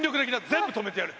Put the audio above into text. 全部止めてやる。